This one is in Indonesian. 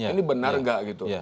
ini benar nggak gitu